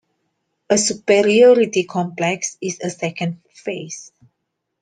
A superiority complex is a second phase.